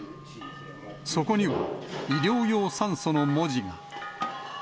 そこには、医療用酸素の文字が。